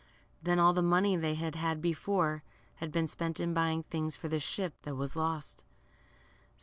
Then all the money they had had before, had been spent *■ in buying things for the ship that was lost.